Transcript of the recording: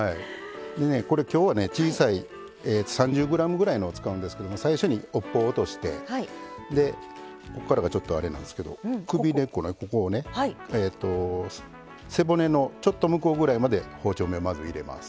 今日はね小さい３０ｇぐらいのを使うんですけど最初に尾っぽを落としてでここからがちょっとあれなんですけど首根っこのここをね背骨のちょっと向こうぐらいまで包丁目をまず入れます。